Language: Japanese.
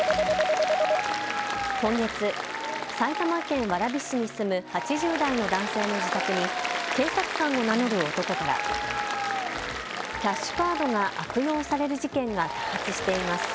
今月、埼玉県蕨市に住む８０代の男性の自宅に警察官を名乗る男からキャッシュカードが悪用される事件が多発しています。